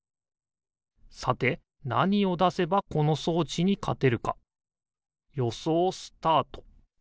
さてなにをだせばこのそうちにかてるかよそうスタート！